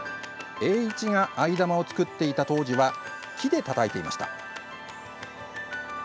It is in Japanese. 栄一が藍玉を作っていた当時は木でたたいていました。